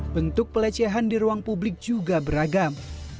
bentuk pelecehan di ruang publik juga beragam